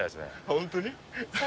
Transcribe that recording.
本当に？